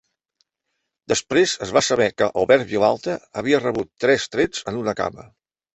Després es va saber que Albert Vilalta havia rebut tres trets en una cama.